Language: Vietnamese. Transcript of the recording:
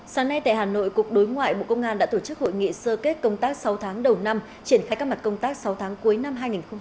sáng nay tại hà nội cục đối ngoại bộ công an đã tổ chức hội nghị sơ kết công tác sáu tháng đầu năm triển khai các mặt công tác sáu tháng cuối năm hai nghìn hai mươi ba